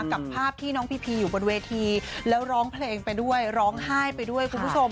กับภาพที่น้องพีพีอยู่บนเวทีแล้วร้องเพลงไปด้วยร้องไห้ไปด้วยคุณผู้ชม